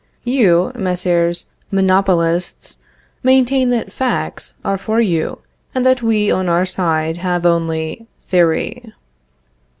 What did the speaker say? You, Messrs. monopolists, maintain that facts are for you, and that we on our side have only theory.